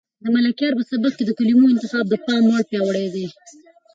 د ملکیار په سبک کې د کلمو انتخاب د پام وړ پیاوړی دی.